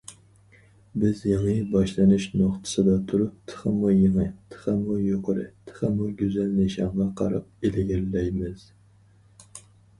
بىز يېڭى باشلىنىش نۇقتىسىدا تۇرۇپ، تېخىمۇ يېڭى، تېخىمۇ يۇقىرى، تېخىمۇ گۈزەل نىشانغا قاراپ ئىلگىرىلەيمىز.